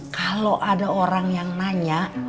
kalau ada orang yang nanya